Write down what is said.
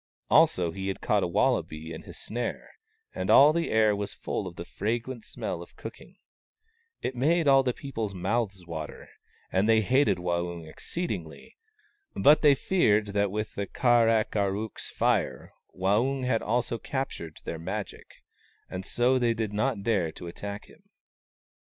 Also he had caught a wallaby in his snare, and all the air was full of the fragrant smell of cooking. It made all the people's mouths water, and they hated WAUNG, THE CROW 59 Waung exceedingly. But they feared that with the Kar ak ar ook's Fire Waung had also captured their Magic, and so they did not dare to attack him.